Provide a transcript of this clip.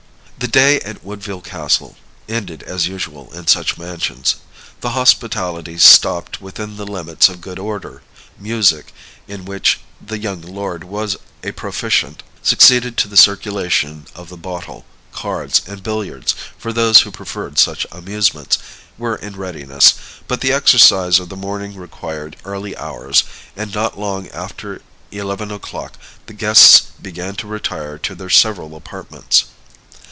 The day at Woodville Castle ended as usual in such mansions. The hospitality stopped within the limits of good order; music, in which the young lord was a proficient, succeeded to the circulation of the bottle; cards and billiards, for those who preferred such amusements, were in readiness: but the exercise of the morning required early hours, and not long after eleven o'clock the guests began to retire to their several apartments.